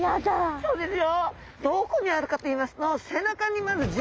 そうですね。